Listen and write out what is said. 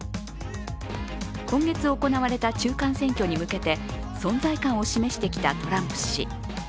今月行われた中間選挙に向けて存在感を示してきたトランプ氏。